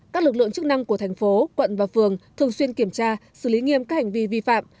các lực lượng chức năng của thành phố quận và phường thường xuyên kiểm tra xử lý nghiêm các hành vi vi phạm